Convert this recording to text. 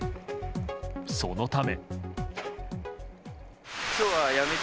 そのため。